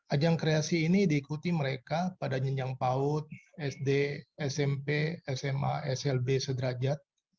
ajang kreasi ini diikuti mereka pada nyenjang paut sd smp sma slb sederajat